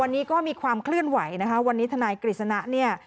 วันนี้ก็มีความเคลื่อนไหวนะคะวันนี้ทนายกฤษณะเนี่ย